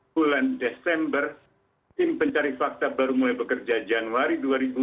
bulan desember tim pencari fakta baru mulai bekerja januari dua ribu dua puluh